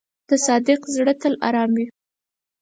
د صادق زړه تل آرام وي.